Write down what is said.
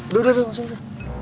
udah udah udah langsung aja